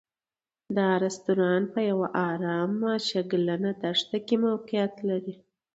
دا رسټورانټ په یوه ارامه شګلنه دښته کې موقعیت لري.